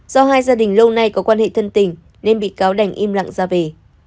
do hai gia đình lâu nay có quan hệ thân tình nên bị cáo đành im lặng ra về